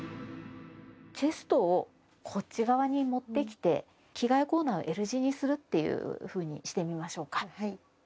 チェストをこっち側に持ってきて、着替えコーナーをＬ字にするっていうふうにしてみましょうか。